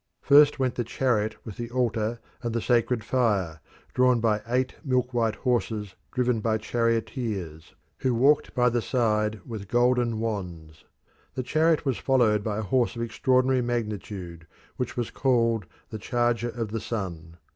First went the chariot with the altar and the sacred fire, drawn by eight milk white horses driven by charioteers, who walked by the side with golden wands. The chariot was followed by a horse of extraordinary magnitude, which was called the "Charger of the Sun."